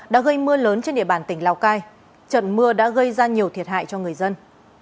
đã gây mưa lớn trên địa bàn tỉnh lào cai trận mưa đã gây ra nhiều thiệt hại cho người dân